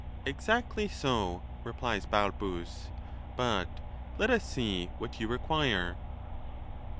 Exactly so, replies Balbus ; but let us see what you require.